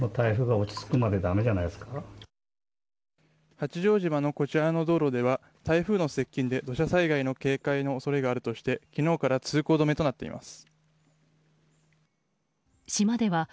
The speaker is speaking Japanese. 八丈島のこちらの道路では台風の接近で土砂災害の警戒の恐れがあるとして昨日から通行止めとなっています。